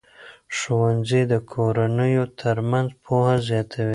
ښوونځي د کورنیو ترمنځ پوهه زیاتوي.